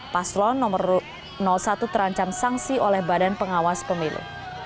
paslon nomor satu terancam sanksi oleh badan pengawas pemilu